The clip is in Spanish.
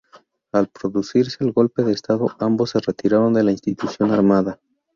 Al producirse el golpe de Estado ambos se retiraron de la institución armada.